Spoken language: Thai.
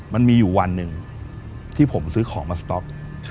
มันมีอยู่วันหนึ่งที่ผมซื้อของมาสต๊อก